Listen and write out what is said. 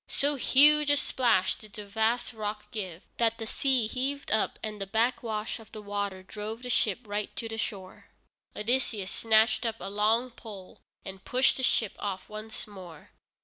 So huge a splash did the vast rock give, that the sea heaved up and the backwash of the water drove the ship right to the shore. Odysseus snatched up a long pole and pushed the ship off once more.